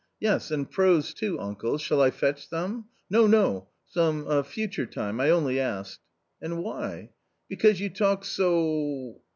" Yes, and prose, too, uncle \ shall I fetch some ?" "No, no !— some future time ; I only asked." "And why?" " Because you talk so.